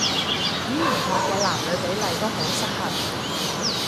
語言學嘅男女比例都好失衡